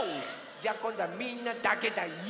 じゃあこんどはみんなだけだＹＯ！